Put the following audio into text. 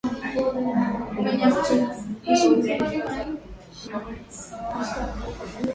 na wakuu wa wakati huo jeshini dhidi ya waziri mkuu